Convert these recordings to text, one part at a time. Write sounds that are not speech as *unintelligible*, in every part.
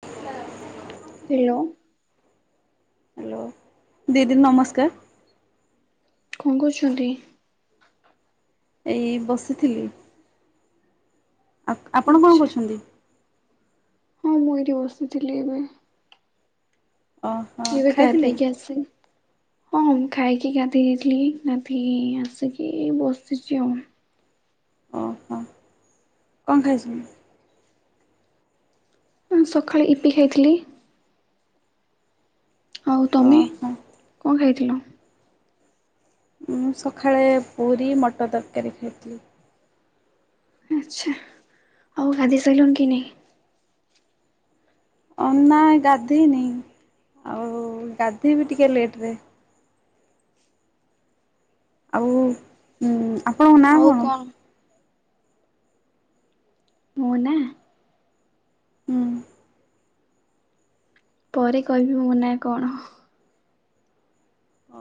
ଶୁଖିଲା। Hello. Hello ଦିଦି ନମସ୍କାର। କଣ କରୁଛନ୍ତି। ଏଇ ବସିଥିଲି। ଆପ ଆପଣ କଣ ଆଚ୍ଛା କରୁଛନ୍ତି। ହଁ ମୁଁ ଏଇଠି ବସିଥିଲି ଏବେ। ଓହୋ ଏବେ ଖାଇଥିଲେ ଗାଧେଇକି ଆସିଲି। ହଁ ମୁଁ ଖାଇକି ଗାଧେଇ ଯାଇଥିଲି କି। ଗାଧେଇ ଆସିକି ବସିଛି ଆଉ। ଓହୋ କଣ ଖାଇଛନ୍ତି। ମୁଁ ସକାଳେ ଇପି ଖାଇଥିଲି। ଆଉ ତମେ ଓହୋ କଣ ଖାଇଥିଲ। ମୁଁ ସକାଳେ ପୁରୀ ମଟର ତରକାରୀ ଖାଇଥିଲି। ଆଛା ଆଉ ଗାଧୋଇ ସାରିଲଣି କି ନାହିଁ। ଅ ନା ଗାଧେଇନି ଆଉ ଗାଧେଇବି ଟିକେ ଲେଟ ରେ। ଆଉ ଉଁ ଆପଣଙ୍କ ନାଁ କଣ? ମୋ ନା। ହୁଁ। ପରେ କହିବି ମୋ ନା କଣ? ଓ।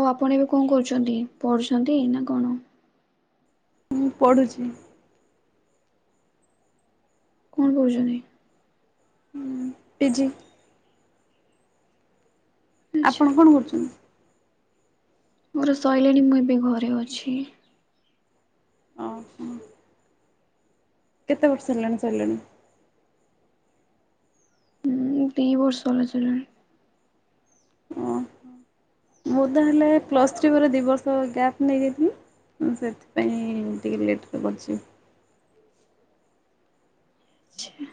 ହଉ ଆପଣ ଏବେ କଣ କରୁଚନ୍ତି ପଢୁଛନ୍ତି ନା କଣ? ମୁଁ ପଢ଼ୁଚି। କଣ ପଢୁଛନ୍ତି? ହୁଁ ପିଜି। ଆଚ୍ଛା ଆପଣ କଣ କରୁଛନ୍ତି? ମୋର ଶଇଲାଣି ମୁଁ ଏବେ ଘରେ ଅଛି। ଓ ହୋ। କେତେ ବର୍ଷ ହେଲାଣି ସରିଲାଣି? ହୁଁ ଦିଇ ବର୍ଷହେଲା ସଇଲାଣି। ଓ ମୁଁ ତାହଲେ ପ୍ଲସ୍ ଥ୍ରୀ ପରେ ଦି ବର୍ଷ ଗ୍ୟାପ୍ ନେଇଯାଇଥିଲି। ମୁଁ ସେଥିପାଇଁ ଟିକେ ଲେଟ୍ ରେ କରିଛିି। ଛି ଆ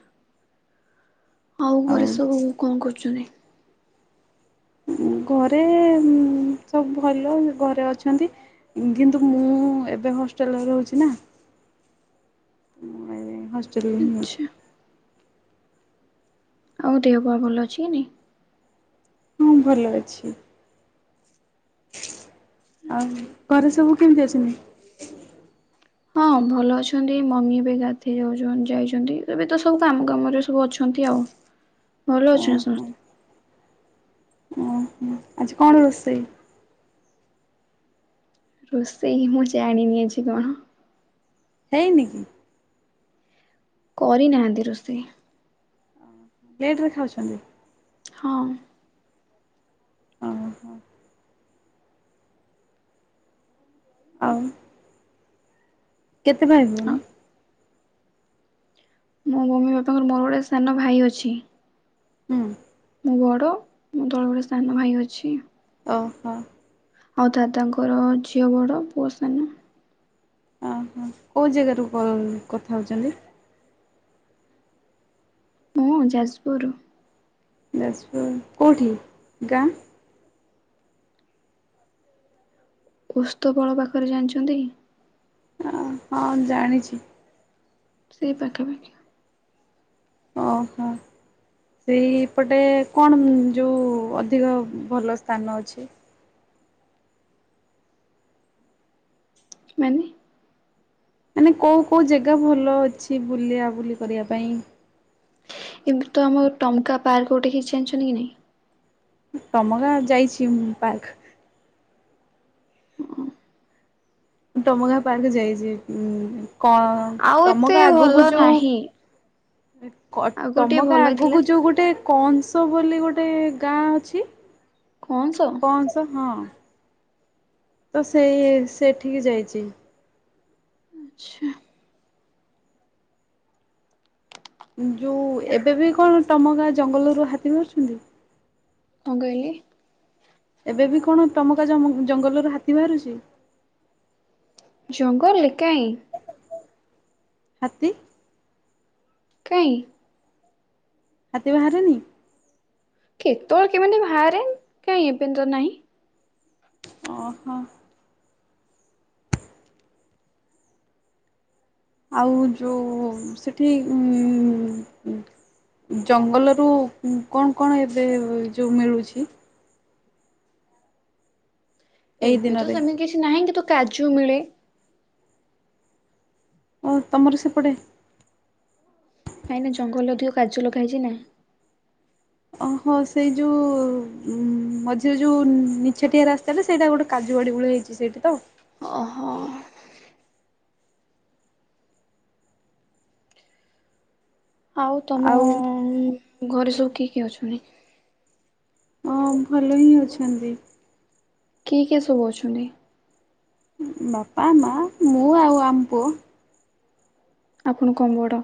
ଆଉ ଘରେ ସବୁ କଣ କରୁଛନ୍ତି? ଘରେ ଉଁ ସବୁ ଭଲ ଘରେ ଅଛନ୍ତି। କିନ୍ତୁ ମୁଁ ଏବେ ହଷ୍ଟେଲରେ ରହୁଛି ନା। ମୁଁ ଏବେ ହଷ୍ଟେଲରେ ହିଁ ଅଛି। ଆଚ୍ଛା ଆଉ ଦେହ ପାହା ଭଲ ଅଛି କି ନାଇଁ? ହଁ ଭଲ ଅଛି। ଆଉ ଘରେ ସବୁ କେମିତି ଅଛନ୍ତି? ହଁ ଭଲ ଅଛନ୍ତି ମମି ଏବେ ଗାଧେଇ ଯାଉ ଯାଇଛନ୍ତି ଏବେ ତ ସବୁ କାମ କାମରେ ସବୁ ଅଛନ୍ତି। ଏମିତି ଆଉ ଭଲ ଅଛନ୍ତି ଓହୋ ସମସ୍ତେ। ଓହୋ ଆଜି କଣ ରୋଷେଇ? ରୋଷେଇ ମୁଁ ଜାଣିନି ଅଜି କଣ? ହେଇନି କି? କରି ନାହାନ୍ତି ରୋଷେଇ। ଲେଟ୍ ରେ ଖାଉଛନ୍ତି? ହଁ। ଓ ହୋ। ଆଉ କେତେ ଭାଇ ଭଉଣୀ? ମୋ ମମି ବାପାଙ୍କର ମୋର ଗୋଟେ ସାନ ଭାଇ ଅଛି। ହୁଁ। ମୁଁ ବଡ଼ ମୋ ତଳେ ଗୋଟେ ସାନ ଭାଇ ଅଛି। ଓ ହୋ। ଆଉ ଦାଦାଙ୍କର ଝିଅ ବଡ ପୁଅ ସାନ। ଅ ହୋ କୋଉ ଜାଗାରୁ କଲ କଥା ହଉଛନ୍ତି? ମୁଁ ଯାଜପୁରରୁ। ଯାଜପୁର କୋଉଠି ଗାଁ? ଓସ୍ତପାଳ ପାଖରେ ଜାଣିଛନ୍ତି? ଓ ହଁ ଜାଣିଛି। ସେଇ ପାଖାପାଖି। ଓହୋ। ସେଇପଟେ କଣ ଯୋଉ ଅଧିକ ଭଲ ସ୍ଥାନ ଅଛି? ମାନେ? ମାନେ କୋଉ କୋଉ ଜେଗା ଭଲ ଅଛି ବୁଲିବା ବୁଲି କରିବା ପାଇଁ? ଏମିତି ତ ଆମ ଟମକା ପାର୍କ ଗୋଟେ ହେଇଛି ଜାଣିଛନ୍ତି କି ନାଇଁ? ଟମକା ଯାଇଛି ମୁଁ ପାର୍କ। ଟମକା ପାର୍କ ଯାଇଛି। କଣ ଆଉ ଏତେ ଟମକା ଭଲ ଆଗକୁ ଯଉ ନାହିଁ ଆଗରୁ ଟିକେ ଟମକା ଭଲ ଥିଲା। ଆଗକୁ ଯୋଉ ଗୋଟେ କଂସ ବୋଲି ଗୋଟେ କା ଅଛି କଣ ସ କଅସ ହଁ। ତ ସେଇ ସେଠିକି ଯାଇଚି। ଆଚ୍ଛା। ଯୋଉ ଏବେ ବି କଣ ଟମକା ଜଙ୍ଗଲରୁ ହାତୀ ବାହାରୁଛନ୍ତି? କଣ କହିଲେ? ଏବେ ବି କଣ ଟମକା ଜମ-ଜଙ୍ଗଲରୁ ହାତୀ ବାହାରୁଛି? ଜଙ୍ଗଲରେ କାଇଁ? ହାତୀ? କାଇଁ? ହାତୀ ବାହାରେନି? କେତଳେ କେମିତି ବାହାରେ କାଇଁ ଏବେ ତ ନାହିଁ। ଓହୋ। ଆଉ ଯୋଉ ସେଠି ଜଙ୍ଗଲରୁ କଣ କଣ ଏବେ ଯୋଉ ମିଳୁଛି? ଏଇ ଏବେ ତ ଦିନରେ? ସେମିତି କିଛି ନାହିଁ କିନ୍ତୁ କାଜୁ ମିଳେ ଓ ତମର ସେପଟେ କାଇଁ କିନା ଜଙ୍ଗଲରେ ଅଧିକ କାଜୁ ଲଗାହେଇଛି ନା ଓହୋ ସେଇ ଯୋଉ ଉ ମଝିରେ ଯୋଉ ନିଛଟିଆ ରାସ୍ତାଟା ସେଇଟା ଗୋଟେ କାଜୁ *unintelligible* ହୋଇଛି ସେଠି ତ ଓହୋ ଆଉ ତମ ଘରେ ସବୁ କିଏ କିଏ ଅଛନ୍ତି? ହଁ ଭଲ ହିଁ ଅଛନ୍ତି କିଏ କିଏ ସବୁ ଅଛନ୍ତି? ବାପା ମା ମୁଁ ଆଉ ଆମ ପୁଅ ଆପଣ କଣ ବଡ?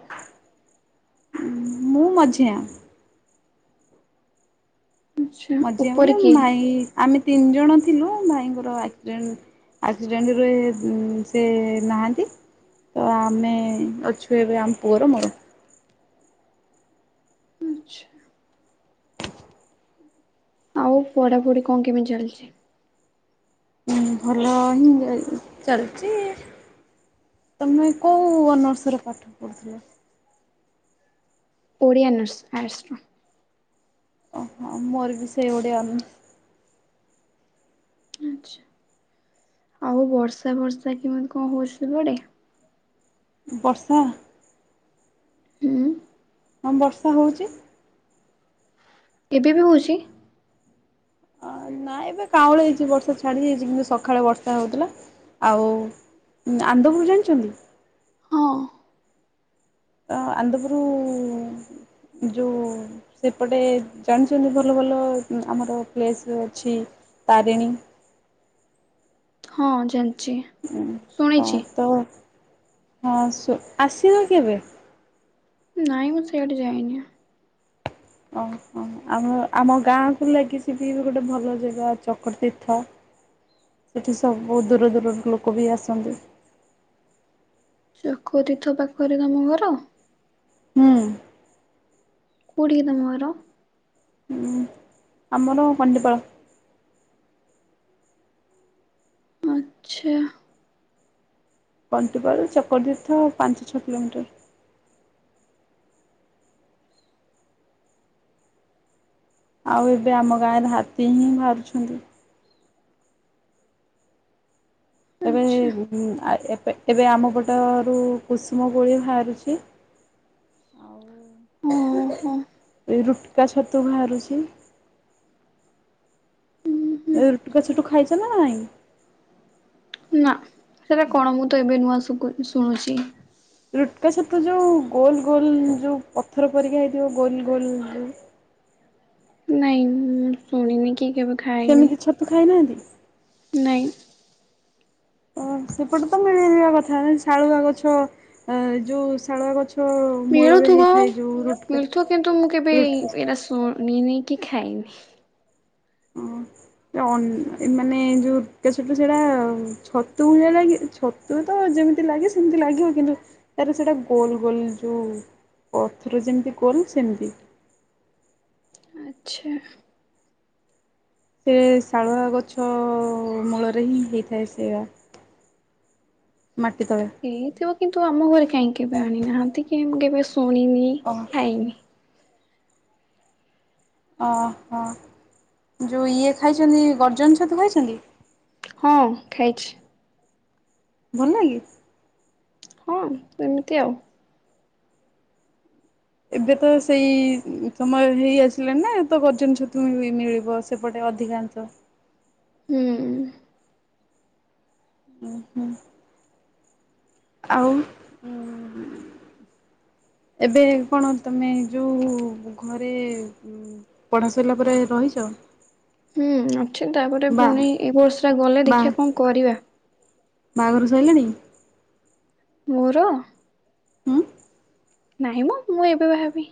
ମୁଁ ମଝିଆଁ ଆଛା ମଝିଆ ଉପରେ ବୋଇଲେ କିଏ? ଭାଇ ଆମେ ତିନି ଜଣ ଥିଲୁ ଭାଇଙ୍କର ଆକ୍ସିଡେଣ୍ଟ ଆକ୍ସିଡେଣ୍ଟରୁ ସେ ନାହାନ୍ତି ତ ଆମେ ଅଛୁ ଏବେ ଆମ ପୁଅର ମୋର ଆଚ୍ଛା ଆଉ ପଢାପଢି କଣ କେମିତି ଚାଲିଛି? ଭଲ ହିଁ ଚାଲିଛି ତମେ କୋଉ ଅନର୍ସରେ ପାଠ ପଢୁଥିଲ? ଓଡ଼ିଆ ଅନର୍ସ ଆର୍ଟ୍ସର ଓ ହୋ ମୋର ବି ସେଇ ଓଡ଼ିଆ ଅନର୍ସ ଆଛା ଆଉ ବର୍ଷା ଫର୍ଷା କେମିତି କଣ ହଉଛି ସବୁଆଡ଼େ ବର୍ଷା ହୁଁ ହଁ ବର୍ଷା ହଉଛି ଏବେ ବି ହଉଛି ନା ଏବେ କାଉଁଳି ହେଇଛି ବର୍ଷା ଛାଡି ଯାଇଛି କିନ୍ତୁ ସକାଳେ ବର୍ଷା ହଉଥିଲା ଆଉ ଆନ୍ଦପୁର ଜାଣିଛନ୍ତି ହଁ ଆ ଆନନ୍ଦପୁରୁ ଯେଉଁ ସେପଟେ ଜାଣିଛନ୍ତି ଭଲ ଭଲ ଆମର ପ୍ଲେସ୍ ଅଛି ତାରିଣୀ ହଁ ଯେନ ହୁଁ ହଁ ତ ହଁ ଆସୁ ଆସିବ କେବେ ନାଇଁ ମୁଁ ସିଆଡେ ଯାଇନି ଆଉ ଓହ ଆମ ଆମ ଗାଁକୁ ଲାଗିଛି ବି ବି ଗୋଟେ ଭଲ ଜାଗା ଚକତୀର୍ଥ ସେଠି ସବୁ ଦୂର ଦୂରରୁ ଲୋକ ବି ଆସନ୍ତି ଚକତୀର୍ଥ ପାଖରେ ତମ ଘର ହୁଁ କଉଠି କି ତମ ଘର? ହୁଁ ଆମର କଣ୍ଡିପାଳ ଆଛା କଣ୍ଟିପାଳ ଚକ୍ରତୀର୍ଥ ପାଞ୍ଚ ଛଅ କିଲୋମିଟର ଆଉ ଏବେ ଆମ ଗାଁରେ ହାତୀ ହିଁ ବାହାରୁଛନ୍ତି ଏବେ ଆଚ୍ଛା ଆ ଏ ଏବେ ଆମ ପଟରୁ କୁସୁମ କୁଳି ବାହାରୁଛି ଆଉ ଓହୋ ଏଇ ରୁଟକା ଛତୁ ବାହାରୁଛି *unintelligible* ରୁଟୁକା ଛୁତୁ ଖାଇଛ ନା ନାଇଁ ନା ସେଟା କଣ? ମୁଁ ତ ଏବେ ନୂଆ ସୁ-ଶୁଣୁଛି। ରୁଟ୍କା ଛତୁ ଯୋଉ ଗୋଲ୍, ଗୋଲ୍ ଯୋଉ ପଥର ପରିକା ହେଇଥିବ। ଗୋଲ୍ ଗୋଲ୍ ଯୋଉ ନାଇଁ ମୁଁ ଶୁଣିନି କି କେବେ ଖାଇନି। ସେମିତି ଛତୁ ଖାଇନାହାନ୍ତି? ନାଇଁ। ଓ ସେପଟେ ତ ମିଳିଯିବା କଥା। ଶାଳୁଆ ଗଛ ଯୋଉ ଶାଳୁଆ ଗଛ। ମୂଳରେ ମିଳୁଥିବ। ହେଇଥାଏ ଯୋଉ ରୁଟକା ମିଳୁଥିବ କିନ୍ତୁ ମୁଁ କେବେ ରୁଟ ଏଇଟା ଶୁଣିନି। କି ଖାଇନି। ହୁଁ। ଅନ୍, ଏ ମାନେ ଯୋଉ ରୁଟ୍କା ସେଟା ଛତୁ ଭାଲିଆ ଲାଗେ, ଛତୁ ତ ଯେମିତି ଲାଗେ ସେମତି ଲାଗିବ। କିନ୍ତୁ ତାର ସେଟା ଗୋଲ୍ ଗୋଲ୍ ଯୋଉ ପଥର ଯେମିତି ଗୋଲ୍ ସେମିତି। ଆଚ୍ଛା। ସେ ଶାଳୁଆ ଗଛ ମୂଳରେ ହିଁ ହେଇଥାଏ ସେଇଆ। ହେଇଥିବ କିନ୍ତୁ ଆମ ଘରେ କାହିଁ କେବେ ଆଣିନାହାନ୍ତି କି ମୁଁ କେବେ ଶୁ ଶୁଣିନି, ଓ ଖାଇନି। ଓହୋ। ଯୋଉ ଇଏ ଖାଇଛନ୍ତି ଗର୍ଜନ ଛତୁ ଖାଇଛନ୍ତି? ହଁ ଖାଇଛି। ଭଲ୍ ଲାଗେ? ହଁ ସେମିତି ଆଉ। ଏବେ ତ ସେଇ ସମୟ ହେଇ ଆସିଲାନା, ତ ଗର୍ଜନ ଛତୁ ମିଳିବ ସେପଟେ। ଅଧିକାଂଶ। ହୁଁ। ଉଁ ହୁଁ। ଆଉ ଏବେ କଣ ତମେ, ଯୋଉ ଘରେ ପଢା ସରିଲା ପରେ ରହିଛ? ତ ହୁଁ ଅଛି। ତାପରେ ଫୁଣି ଏ ବର୍ଷଟା ଗଲେ ବା ଦେଖିବା କଣ କରିବା। ବାହାଘର ସରିଲାଣି? ମୋର? ହୁଁ। ନାହିଁ ମ, ମୁଁ ଏବେ ବାହା ହେବି।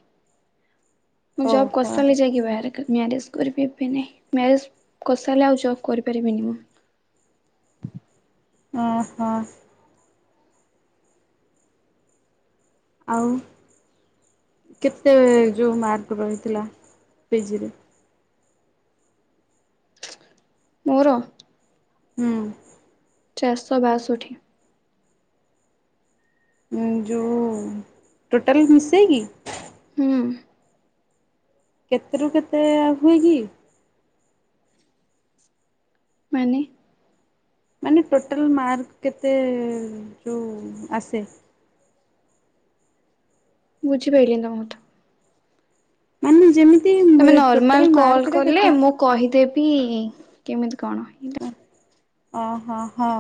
ମୁଁ ଜବ୍ ଓହୋ। କରିସାରିଲେ ଯାଇକି ବାହାରେ। ମ୍ୟାରେଜ କରିିବି, ଏବେ ନାହିଁ। ମ୍ୟାରେଜ କରିସାରିଲେ ଆଉ ଜବ୍ କରିପାରିବିନି ମୁଁ। ଓ ହୋ। ଆଉ କେତେ, ଯୋଉ ମାର୍କ ରହିଥିଲା? ପିଜିରେ? ମୋର। ହୁଁ। ଚାରିଶହ ବାଷଠି। ଉଁ ଯୋଉ, ଟୋଟାଲ ମିଶେଇକି? ହୁଁ କେତେ ରୁ କେତେ ହୁଏ କିି? ମାନେ? ମାନେ ଟୋଟାଲ ମାର୍କ କେତେ, ଯଉ ଆସେ? ବୁଝି ପାରିଲିନି ତମ କଥା। ମାନ ଯେମିତି ତମେ ଟୋଟାଲ ନର୍ମାଲ୍ କଲ୍ ମାର୍କଟା କଲେ କେତେ? ମୁଁ କହିଦେବି, କେମିତି କଣ। ଓ ହୋ। ହଁ।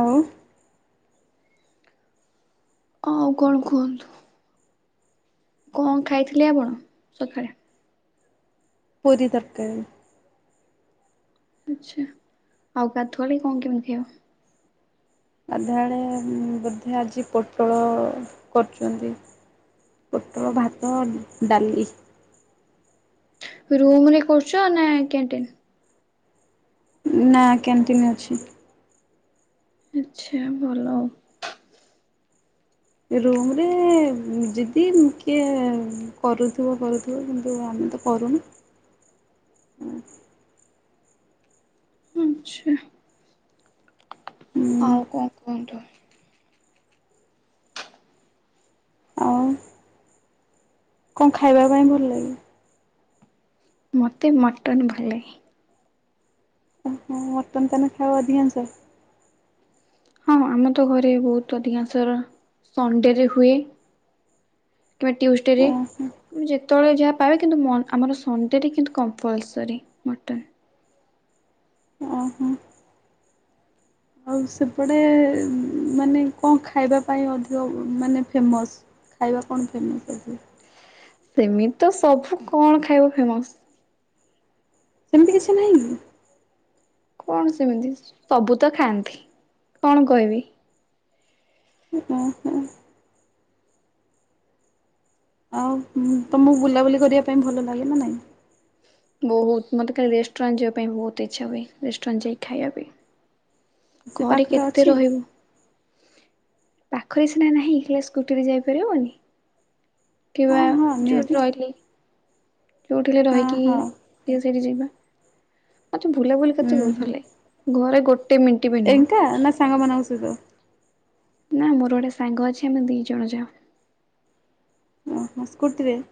ଆଉ ଆଉ କଣ କୁହନ୍ତୁ? କଣ ଖାଇଥିଲେ ଆପଣ ସଖାଳେ? ପୁରି ତରକାରୀ। ଆଚ୍ଛା, ଆଉ ଗାଧୁଆଳେ କଣ କେମିତିଆ? ଗାଧୁଆଳେ ବୋଧେ ଆଜି ପୋଟଳ କରୁଚନ୍ତି। ପୋଟଳ, ଭାତ, ଡାଲି। ରୁମ୍ ରେ କରୁଚ ନା କ୍ୟାଣ୍ଟିନ୍? ନା କ୍ୟାଣ୍ଟିନ୍ ଅଛି। ଆଚ୍ଛା ଭଲ ଆଉ। ଏ ରୁମ୍ ରେ ଯଦି କିଏ କରୁଥୁବ କରୁଥୁବ କିନ୍ତୁ ଆମ ମେ ତ କରୁନୁ। ଉଁ, ଆଚ୍ଛା। ହୁଁ ଆଉ କଣ କୁହନ୍ତୁ? ଆଉ କଣ ଖାଇବା ପାଇଁ ଭଲ ଲାଗେ? ମୋତେ ମଟନ୍ ଭଲ ଲାଗେ। ଓହୋ! ମଟନ୍ ତାନେ ଖାଅ ଅଧିକାଂଶ? ହଁ ଆମ ତ ଘରେ ବହୁତ ଅଧିକାଂଶ ର ସଣ୍ଡେରେ ହୁଏ। *inaudible* କିମ୍ବା ଟ୍ୟୁସଡେ ରେ ଓହୋ ଯେତେବେଳେ ଯାହା ପାର କିନ୍ତୁ ମ-ଆମର ସଣ୍ଡେରେ କିନ୍ତୁ କମ୍ପଲସରି ମଟନ୍। ଓ ହୋ! ଆଉ ସେପଟେ ମାନେ କଣ ଖାଇବା ପାଇଁ ଅଧିକ ମାନେ ଫେମସ୍? ଖାଇବା କଣ ଫେମସ୍? *unintelligible* ସେମିତ ତ ସବୁ କଣ ଖାଇବ ଫେମସ୍? ସେମିତି କିଛି ନାହିଁ କି? କଣ ସେମିତି? ସବୁ ତ ଖାଆନ୍ତି। କଣ କହିବି? ଓ ହୋ। ଆଉ ଉଁ, ତୋମକୁ ବୁଲାବୁଲି କରିବା ପାଇଁ ଭଲ ଲାଗେ ନା ନାଇଁ? ବହୁତ ମୋତେ ଖାଲି ରେଷ୍ଟୁରାଣ୍ଟ ଯିବା ପାଇଁ ବହୁତ ଇଚ୍ଛା ହୁଏ। ରେଷ୍ଟୁରାଣ୍ଟ ଯାଇକି ଖାଇବା ପାଇଁ। ସେ ଘରେ ପାଖରେ କେତେ ଅଛି ରହିବୁ। ପାଖରେ ସିନା ନାହିଁ, ହେଲା ସ୍କୁଟିରେ ଯାଇପାରିବନି। ହଁ କିବା ହଁ ନିହାତି ଯୋଉଠି ରହଲି। ଯୋଉଠି ହେଲେ ହଁ ରହିକି ହଁ। ଟିକେ ସେଇଠି ଯିବା। ମୋତେ ବୁଲାବୁଲି କରତେ ହୁଁ ବହୁତ ହୁଁ ଭଲ ଲାଗେ। ଘରେ ଗୋଟେ ମିନି ଏକା ନା ସାଙ୍ଗ ମାନଙ୍କ ସହିତ? ନା ମୋର ଗୋଟେ ସାଙ୍ଗ ଅଛି ଆମେ ଦି ଜଣ ଯାଉ। ଓହୋ! ସ୍କୁଟିରେ?